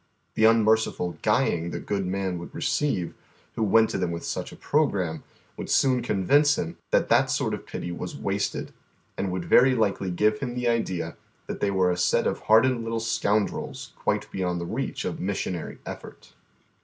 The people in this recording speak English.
The unmerciful " gnying " the good man would receive, who went to them with such a programme, would soon convince him that that sort of pity was wasted, and would very likely give him the idea tliat they were a set of hardened little scoun drels, quite beyond the reach of missionary effort.